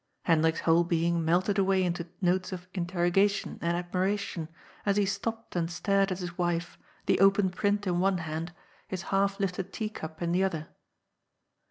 Hendrik's whole being melted away into notes of in terrogation and admiration, as he stopped and stared at his wife, the open print in one hand, his half lifted tea cup in the other.